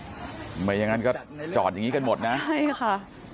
ไม่อย่างนั้นก็จอดอย่างนี้กันหมดนะใช่ค่ะ